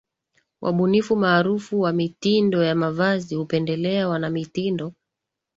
Wabuni maarufu wa mitindo ya mavazi hupendelea wanamitindo